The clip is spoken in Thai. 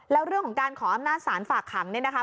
แล้วเรื่องของการขออำนาจศาลฝากขังเนี่ยนะคะ